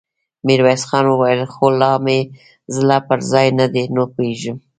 ميرويس خان وويل: خو لا مې زړه پر ځای نه دی، نه پوهېږم!